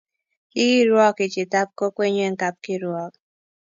Ki kirwoki chitab kokwenyu eng kapkirwok